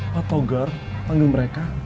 pak togar panggil mereka